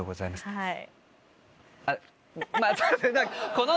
はい。